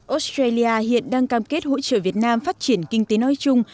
australia hiện đang cam kết hỗ trợ việt nam phát triển kinh tế nói chung